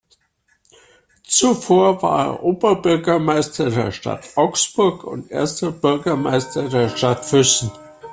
Zuvor war er Oberbürgermeister der Stadt Augsburg und Erster Bürgermeister der Stadt Füssen.